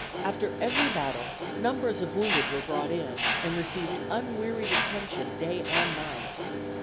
After every battle numbers of wounded were brought in, and received unwearied attention day and night.